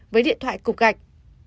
với điện thoại cục gạch